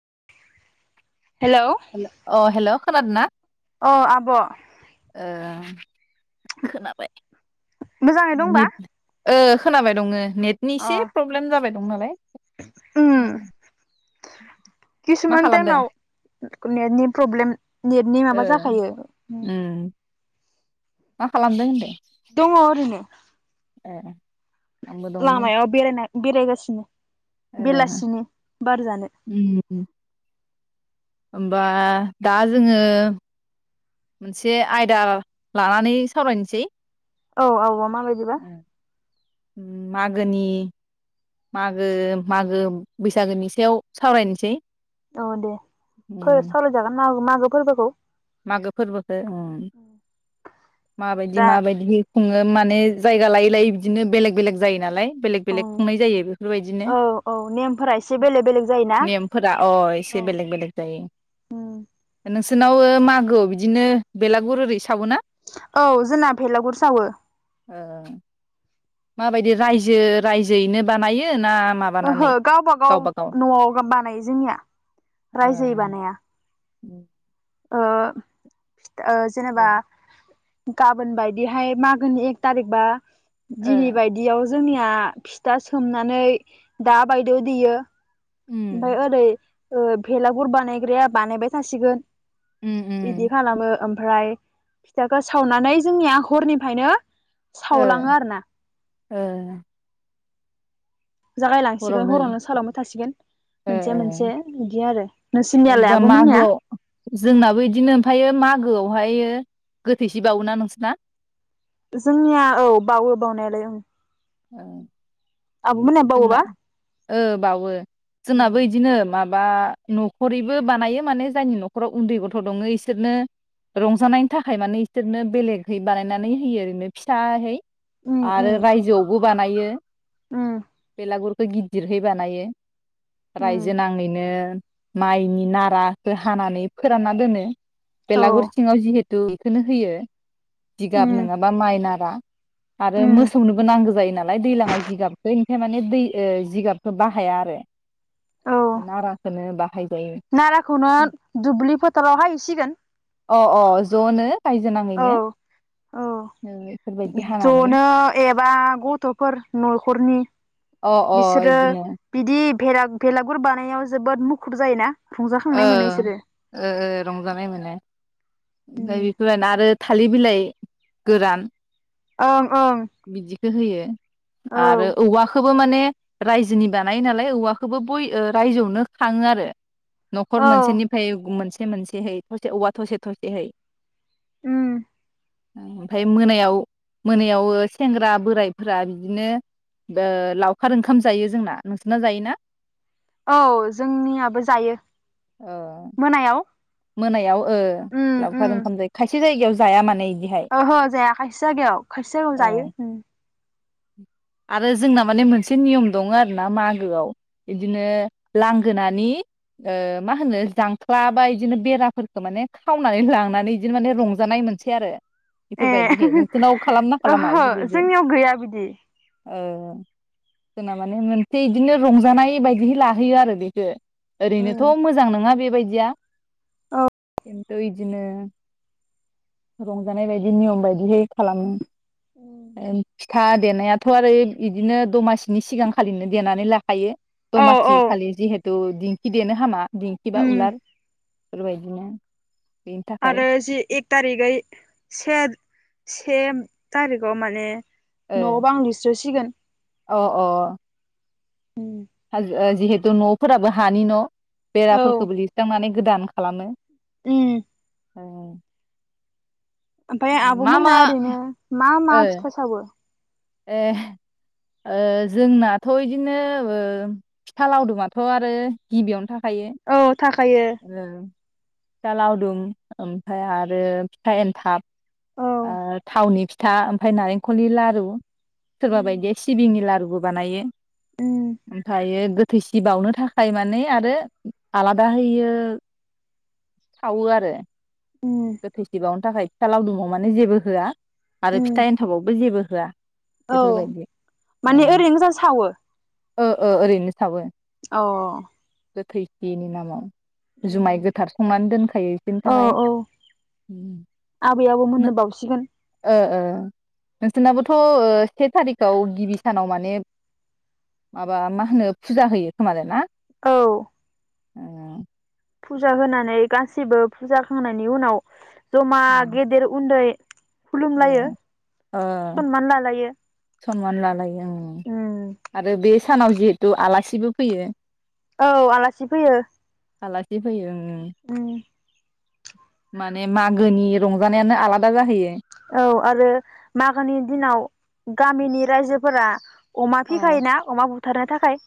[inaudible] हेल अ हेल' खोनादो ना? अ आब' [unintelligible] खोनाबाय मोजाङै दंबा नेट ओ खोनाबाय दङो नेटनि अ एसे प्रब्लेम जाबाय दं नालाय उम मा किसुमान खालामदों? टाइमाव नेटनि प्रब्लेम नेटनि ओ माबा जाखायो उम मा खालामदों होनदों? दङ' ओरैनो। ए। आंबो दंनो लामायाव बेरायनाय बेरायगासिनो। ए बेलासिनि बार जानो उम होमबा दा जोङो मोनसे आयदा लानानै सावरायनोसै औ औ मा बायदिबा? उम मागोनि मागो मागो बैसागोनि सायाव सावरायनोसै। औ दे उम सारायजागोन मा माग फोरबोखौ मागो फोरबोखौ माबायदि दा माबायदि खुङो? माने जायगा लायै लायै बिदिनो बेलेग बेलेग जायो नालाय बेलेग बेलेक ओं खुंनाय जायो बेफोरबायदिनो औ औ नेमफोरा एसे बेलेग बेलेग जायोना नेमफोरा अ एसे औ बेलेक बेलेग जायो नोंसोर [inaudible] मागो बिदिनो बेलागुर सावोना औ जोंना बेलागुर सावो। ओ माबायदि रायजो रायजोयैनो बानायो ना ओहो माबानानै गावब गाव न'आव बानायो जोंनिया रायजोयै बानाया। औ। ओ। ओ जेनेबा गाबोन बायदिहाय मागोनि एक थारिक बा ओ दिनै बायदियाव जोंनिया फिथा सोमनानै दा बायद' देयो ओमफ्राय उम ओरै ओ बेलागुर बानायग्राया बानायबाय थासिगोन उम उम बिदि खालामो उम ओमफ्राय फिथाखौ सावनानै जोंनिया हरनिफ्रायनो ओ सावलाङो आरो ना। ओ। जागायलांसिगोन हरावनो सावलांबाय थासिगोन। मोनसे मोनसे आरो नोंसिनियालाय बा आब'मोननिया मागोआव जोंनाबो बिदिनो ओमफायो मागोआवहायो गोथैसि बावोना नोंसोरना? जोंनिया औ बावो बावनायालाय ओं औ आब'मोनना जोंना बावोबा औ बावो उम जोंनाबो बिदिनो माब बा न'खरैबो बानायो माने जायनि न'खराव उन्दै गथ' दङ इसोरनो रंजानायनि थाखाय माने बिसोरनो बेलेगहै बानायनानै होयो ओरैनो फिसाहै उम आरो उम रायजोआवबो बानायो उम बेलागुरखौ गिदिरहै बानायो उम रायजो नाङैनो माइनि नाराखौ हानानै फोरानना दोनो औ बेेलागुर सिंआव जिहे द बेखौनो होयो जिगाब उम नङाबा माइनारा आरो उम मोसौनोबो नांगौ जायो नालाय दैज्लाङाव जिगाब निफ्राय माने दै ओ जिगाबखौ बाहाया आरो औ नाराखौनो बाहायजायो नाराखौनो दुब्लि फोथाराव हाहैसिगोन अ अ ज'नो रायजो औ नाङैनो औ ओ बेफोरबायदि हानानै जनो एबा गथ'फोर न'खरनि अ अ बिसोरो इदिनो बिदि भेरा बेलागुर बानायाव जोबोद मुखुब जायोना ओ रंजाखांनाय मोनो बिसोरो ओ ओ रंजानाय मोनो ओमफ्राय [unintelligible] आरो थालिर बिलाइ गोरान ओं ओं बिदिखौ होयो औ आरो औवाखौ बो माने रायजोनि बानायो नालाय औवाखौबो बय रायजोआवनो खाङो आरो न'खर औ मोनसेनिफ्राय मोनसे से मोनसे है थसे औवा थसे थसेैहै उम ओमफ्राय मोनायाव मोनायाव सेंग्रा बोराइफोरा बिदिनो ओ लावखार ओंखाम जायो जोंना नोंसोरना जायोना? औ जोंनियाबो जायो ओ मोनायाव मोनायाव ओ उम उम लावखार ओंखाम जायो खाय एसे जायगायाव जाया माने इदिहाय ओहो जाया खायसे जायगायाव खायसे जायगायाव ओ जायो आरो जोंना माने मोनसे नियम दङ आरो ना मागोआव बिदिनो लांगोनानि ओ मा होनो जांख्ला बा बिदिनो बेराफोरखो खावनानै लांनानै बिदिनो माने रंजानाय मोनसै आरो बेफोरबायदिहाय ए नोंसोरनाव खालामना खालामा ओहो बेफोरबायदि जोंनियाव गैया बिदि ओ जोंना माने मोनसे बिदिनो रंजानाय बायदिहै लाहैयो आरो बेखौ ओरैनोथ' उम मोजां नङा बे बेबायदिया खिन्थु बिदिनो रंजानाय बायदि नियम बायदिहै खालामो फिथा देनायाथ' आरो बिदिनो दमासिनि सिगांखालिनो देनानै ला थायो औ दमासि औ खालि जिहेथु थ' दिंखि देनो हामा दिंखि बा उम उलार बेफोरबायदिनो बेनि थाखाय आरो जि एक थारिखै से से थारिकाव माने ओ न' बां लिस्रोसिगोन अ अ हाजो ओ जिहेथु न'फोराबो हानि न' औ बेराफोरखौबो लिरस्रांनानै गोदान खालामो उम औ ओमफाय आब'मोना ओरैनो मा मा ओ फिथा सावो ए ओ जोंनाथ' इदिनो ओ फिथा लावदुमाथ' आरो गिबियावनो थाखा यो औ थाखायो ओं फिथा लावदुंम ओमफाय आरो फिथा एनथाब औ ओ थावनि फि फिथा ओमफ्राय नारेंखलनि लारु सोरबा उम बायदिया सिबिंनि लारुबो बानायो उम ओमफायो गो थैसि बावनो थाखाय माने आरो आलादा होयो सावो आरो उम गोथैसि बावनो थाखाय फिथा लावदुमाव माने जेबो होआ आरो उम फिथा एन्थाबावबो जेबो [unintelligible] औ बेफोरबायदि माने ओरैनो गोजा सावो ओ ओ ओरैनो सावो अ गोथै सिनि नामाव जुमाय गोथार संनानै दोनखायो बिसोरनि औ थाखाय औ आबै आबौ मोननो बावसिगोन। ओ ओ नोंसोरनाबोथ' ओ से थारिखआव गिबि सानाव माने माबा मा होनो फुजा होयो खोमादा ना। औ। उम। फुजा होनानै गासिबो फुजा होखांनायनि उनाव जमा गेदेर उन्दै ओ खुलुमलायो ओ सनमान लालायो। सनमान लालायो ओं उम आरो बे सानाव जिहेतु आलासिबो फैयो। औ आलासि फैयो। आलासि फैयो उम। उम मा ने मागोनि रंजानायानो आलादा जाहैयो। औ आरो मागोनि दिनाव गामिनि रायजोफोरा अमा अ फिखायोना अमा बु थारनो थाखाय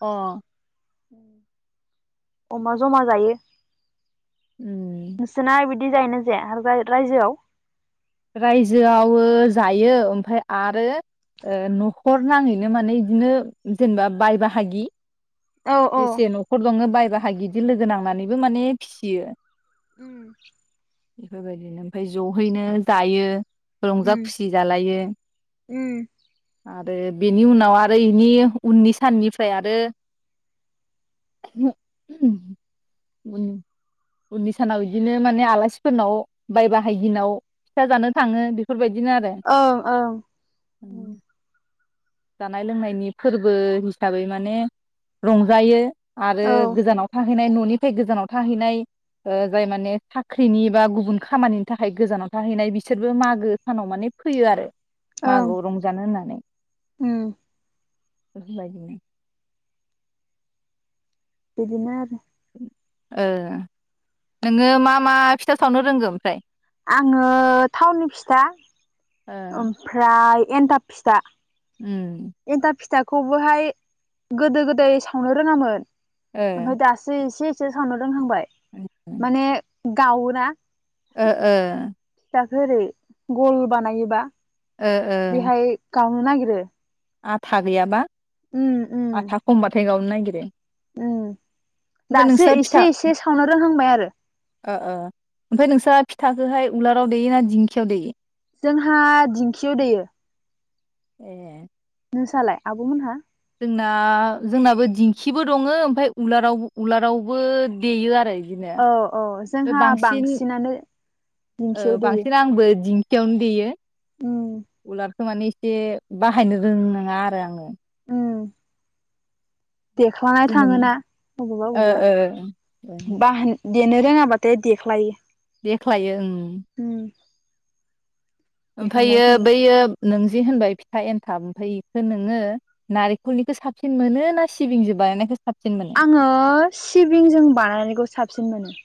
अ। उम। अमा जमा जायो। उम नोंसना इबिद दि जायनो जाया राय रायजोआव रायजोआवयो जायो ओमफाय आरो नखर नाङैनो माने बिदिनो जेनेबा बाय बाहागि औ औ जेसे नखर दङ बायबा बाय गिदिर लोगो नांनानैबो माने फिसियो। उम। बेफोरबायदिनो ओमफ्राय जहैनो जायो। रंजा खुसि जालायो। उम आरो बेनि उनाव आरो इनि उननि साननिफ्राय आरो उन उननि सानाव बिदिनो माने आलासिफोरनाव बाय बाहायगिनाव फिथा जानो थाङो बेफोरबायद ओं‌ ओं उम। जानाय लोंनायनि फोरबो हिसाबै माने रंजायो। आरो औ गोजानाव थां हैनाय ननिफ्राय गोजानाव थाहैनाय ओ जाय माने साख्रिनि बा गुबुन खामानिनि थाखाय गोजानाव थाहैनाय बिसोरबो मागो सानाव माने फैयो आरो। ओं मागोआव रंजानो होननानै उम [unintelligible] बिदिनो आरो। ओ नोङो मा मा फिथा सावनो रोंगौ ओमफ्राय आङो टाउनि फिथा ओ ओमफ्राय एन्थाब फिथा। उम। खौबोहाय गोदो गोदाय सावनो रोङामोन ओ ओमफाय दासो इसे [unintelligible] रोंहांबाय माने गावोना। ओ ओ। थाखो ओरै गल बानायो। बा। ओ ओ। जावनो नागिरो। आथा गैयाबा। उम उम आथा खमबाथाय गावनो। नायगिरो उम दासो एसे-एसे सावनो रोंहांबाय आरो। ओ-ओ ओमफ्राय नोंस्रा फिथाखौहाय उलाराव दैयो ना दिंखियाव दैयो? जोंहा दिंखियाव दैयो। ए। नोंसालाय आबमोनहा। जोंना जोंनाबो दिंखिबो दङ ओमफ्राय उलारावबो उलारावबो देयो आरो। बिदिनो औ-औ जोंहा ओमफ्राय बांसिन बांसिनानो दिंखियाव दैयो। बेयावनो देयो। उम उलार थ माने एसे बाहायनो रों नङा आरो आङो। उम। देख्लांनाय जोनोम थाङोना अबावबा ओ अबावबा बाहाय। देनो रोङाब्लाथाय देख्लायो। देख्लायो ओ। उम देख्लायनाय ओमफ्रायो थाङो बैयो नों। जे होनबाय फिथा एन्थाब ओमफ्राय बेखौ नोङो नारेंखलनिखौ साबसिन मोनो ना सिबिंजों बानायनायखौ। साबसिन मोनो? आङो सिबिंजों बानायनायखौ साबसिन मोनो।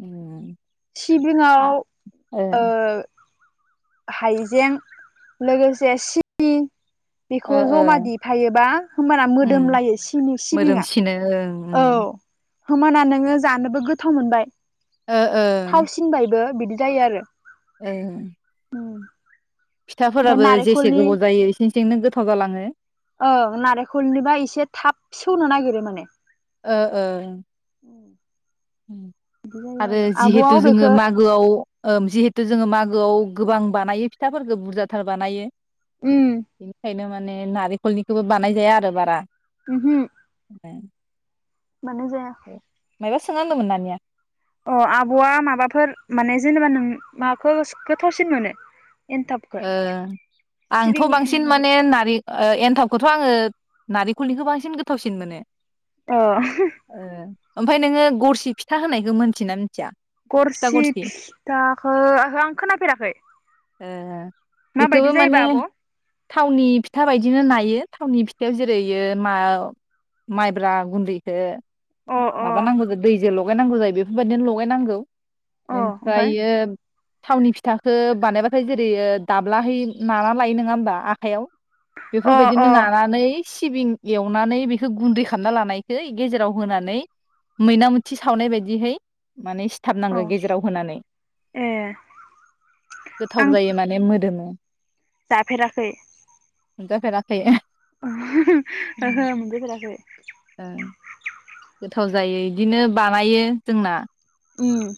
उम सिबिङाव आ ओ हाइजें लोगोसे सिबिं बेखौ ओ ओ जमा दिफायोबा होमबाना मोदोम उम लायो सिनि सिबिंङा। मोदोमसिनो ओं औ। उम होमाना नोङो जानोबो गोथाव मोनबाय। ओ ओ। थावसिनबायबो बिदि जायो आरो ओ उम ओमफ्राय फिथाफोराबो जेसे नारेंखलनि गोबाव जायो इसें सेंनो गोथाव जालाङो। [inaudible] ओं नारेंखलनिबा एसे थाब सेवनो नागिरो माने। ओ ओ। बिदि जायो आरो आब'आ जिहेथु जोङो अबेखौ मागोआव ओम जिहेथु जोङो मा गोआव गोबां बानायो फिथाफोरखो बुरजाथार बानायो। उम बेनिखायनो मा ने नारेखलनिखोबो बानायजाया आरो बारा। उमहु। [unintelligible] मानो जाया? [unintelligible] नानिया अ आब'आ माबाफोर माने जेनेबा नों माखो गोथावसिन मोनो? एन्थाबखौ ओ आंथ' सिबिंनिखौ ना बांसिन माबा माने नारि ओ एनथाब खोथ' आङो नारेकलनिखो बांसिन गोथावसिन मोनो। अ [unintelligible] ओमफाय नोङो गरसि फिथा होननायखो मोनथिना मोन गरसि फिथाखो ओहो आं खोनाफेराखै। ओ माबायदि बेखौबो माने जायोबा आब'? थावनि फिथा बायदिनो नायो थावनि फिथायाव जेरैयो मा माइब्रा गुन्दैखो अ माबा नांगौ जो दैजो ल [unintelligible] जायो बेफोरबायदिनो लगायनांगौ। अ ओमफ्राय ओमफ्रायो थावनि फिथाखो बानायबा थाय जेरैयो दाब्लाहै नाना लायो नोङा होमबा आखाइयाव अ अ बेफोरबायदिनो नानानै सिबिं एवनानै बेखो गुन्दै खामना लानायखो गेजेराव होनानै मैना मोथि सावनाय बायदिहै माने अ सिथाबनांगो गेजेराव होनानै ए थाव आं जायो माने मोदोम [unintelligible] जाफेराखै मोनजाफेराखै [unintelligible] [unintelligible] ओहो मोनजाफेराखै ओं गोथाव जायो इदिनो बानायो जोंना उम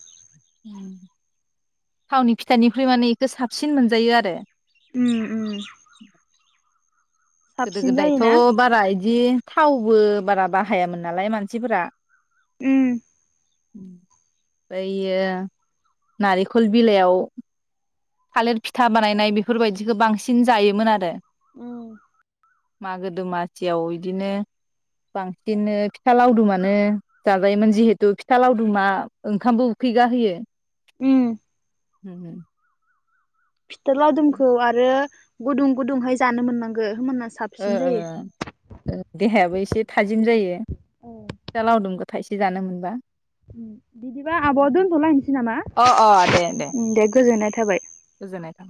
थावनि फिथानिख्रुइ माने इको साबसिन मोनजायो आरो। उम उम। गोदो साबसिन गोदायथ जायोना बारा इदि थावबो बारा बाहायामोन नालाय मानसिफोरा ओम बैयो नारेंखल बिलाइयाव थालिर फिथा बानायनाय बेफोरबायदिखौ बांसिन जायोमोन आरो ओम मागो दमासियाव बिदिनो बांसिननो ओम [unintelligible] फिथा लावदुमखौ आरो गुदुं गुदुंहाय जानो मोननागो ओ ओ देहायाबो एसे थाजिम जायो औ फिथा लावदुम थाइसे जानो मोनबा बिदिबा आब दोनथलायनोसै नामा अ अ दे दे गोजोननाय थाबाय। गोजोननाय थाबाय।